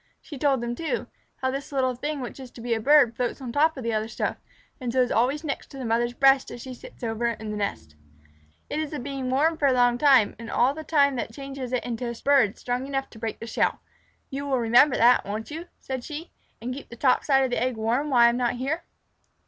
She told them, too, how this little thing which is to be a bird floats on top of the other stuff, and so is always next to the mother's breast as she sits over it on the nest. "It is the being warm for a long time and all the time that changes it into a bird strong enough to break the shell. You will remember that, won't you," said she, "and keep the top side of the eggs warm when I am not here?"